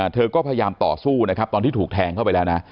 เธอก็พยายามต่อสู้ตอนที่ถูกแทงเข้าไปแล้ว